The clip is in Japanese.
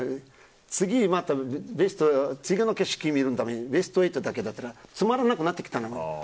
次また違う景色を見るためにベスト８だけだったらつまらなくなってきたの。